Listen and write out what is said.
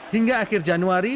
hingga akhir januari